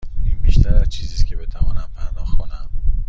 این بیشتر از چیزی است که بتوانم پرداخت کنم.